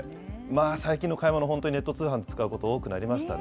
最近の買い物、本当にネット通販、使うこと多くなりましたね。